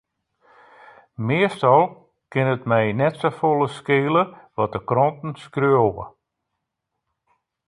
Meastal kin it my net safolle skele wat de kranten skriuwe.